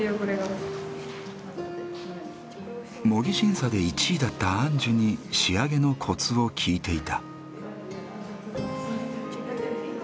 模擬審査で１位だったアンジュに仕上げのコツを聞いていた。